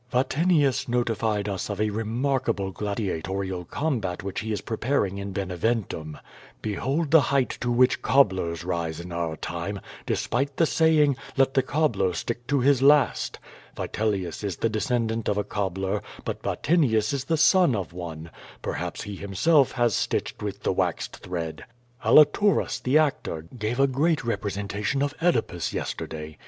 Vatinius notified us of a remarkable gladiatoral combat which he is preparing in Beneventum. Behold the height to which cobblers rise in our time, despite the saying, "let the cobbler stick to his last." Vitelius is the descendant of a cob bler, but Vatinius is the son of one. Perhaps he himself has stitched with the waxed thread! Alituras, the actor, gave a great representation of Oedipus yesterday.